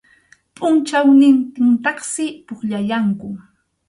Pʼunchawnintintaqsi pukllallanku.